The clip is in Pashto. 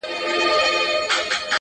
ما خپله کیسه کول ګرېوان راسره وژړل؛